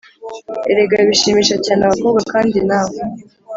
erega bishimisha cyane abakobwa kandi nawe